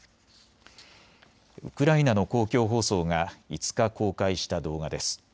ウクライナの公共放送が５日、公開した動画です。